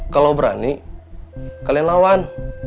kalau berani kalian lawan